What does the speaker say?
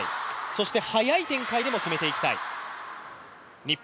そして早い展開でも決めていきたい。